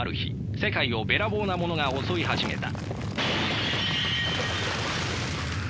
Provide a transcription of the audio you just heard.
世界をべらぼうなものが襲い始めた。